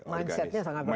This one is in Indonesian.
mindsetnya sangat berat